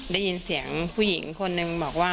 ได้ยินเสียงผู้หญิงคนนึงบอกว่า